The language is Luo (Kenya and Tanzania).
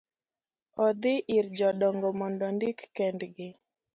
odhi ir jodongo mondo ondik kendgi.